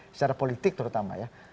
secara politik terutama ya